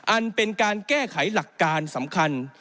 อันเป็นการแก้ไขหลักการสำคัญ